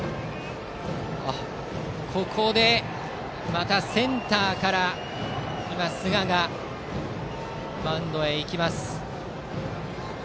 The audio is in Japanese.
ここで、またセンターから寿賀がマウンドへ行きます。